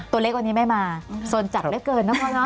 ตัวเลขวันนี้ไม่มาสนจัดเหลือเกินนะพ่อเนอ